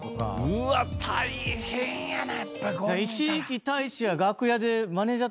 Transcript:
「うわっ大変やな」